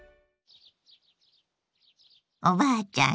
おばあちゃん